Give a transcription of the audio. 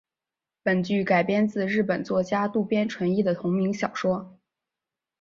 本剧改编自日本作家渡边淳一的同名小说。